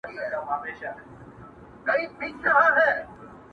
ویل جار دي تر نامه سم مُلاجانه,